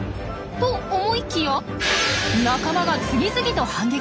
と思いきや仲間が次々と反撃！